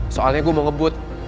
soalnya gue mau ngebut